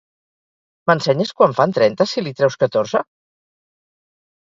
M'ensenyes quant fan trenta si li treus catorze?